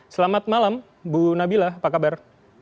selamat malam bu nabila apa kabar